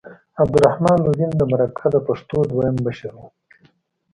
عبدالرحمن لودین د مرکه د پښتو دویم مشر و.